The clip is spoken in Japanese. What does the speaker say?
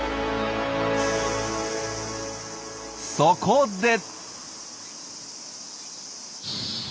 そこで！